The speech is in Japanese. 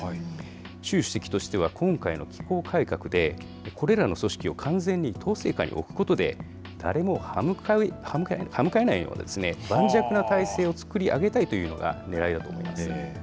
習主席としては、今回の機構改革で、これらの組織を完全に統制下に置くことで、誰も歯向かえないような盤石な体制を作り上げたいというのがねらいだと思います。